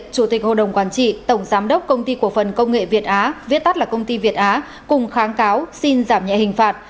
chủ tịch hồ đồng quản trị tổng giám đốc công ty cổ phần công nghệ việt á viết tắt là công ty việt á cùng kháng cáo xin giảm nhẹ hình phạt